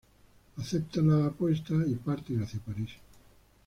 Aceptan la apuesta y parten hacia París.